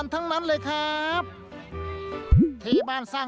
ต้องหาคู่เต้นอยู่ป่ะคะ